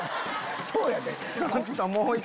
そうやで。